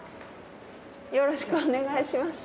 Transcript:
よろしくお願いします。